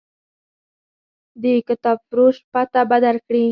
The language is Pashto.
د کتابفروش پته به درکړي.